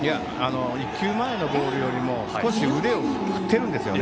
１球前のボールよりも少し腕を振っているんです。